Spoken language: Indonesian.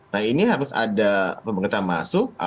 nah ini harus ada pemerintah masuk